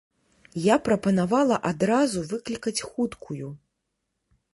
Я прапанавала адразу выклікаць хуткую.